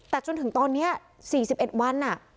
แต่จนถึงตอนนี้๔๑วัน